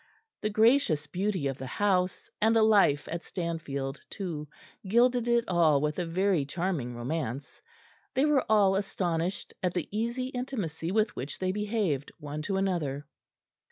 The gracious beauty of the house and the life at Stanfield, too, gilded it all with a very charming romance. They were all astonished at the easy intimacy with which they behaved, one to another.